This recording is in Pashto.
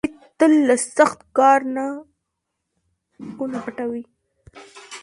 علي تل له سخت کار نه کونه پټوي.